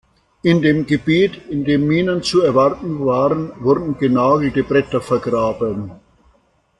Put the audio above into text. In dem Gebiet, in dem Minen zu erwarten waren, wurden genagelte Bretter vergraben.